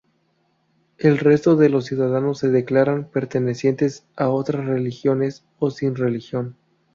El resto de ciudadanos se declaran pertenecientes a otras religiones o sin religión.